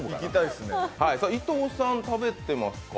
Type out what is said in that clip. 伊藤さん、食べてますか？